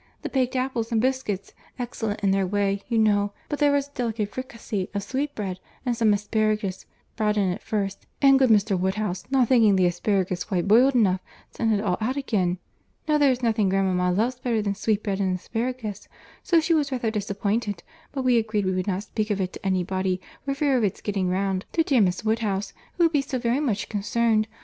—The baked apples and biscuits, excellent in their way, you know; but there was a delicate fricassee of sweetbread and some asparagus brought in at first, and good Mr. Woodhouse, not thinking the asparagus quite boiled enough, sent it all out again. Now there is nothing grandmama loves better than sweetbread and asparagus—so she was rather disappointed, but we agreed we would not speak of it to any body, for fear of its getting round to dear Miss Woodhouse, who would be so very much concerned!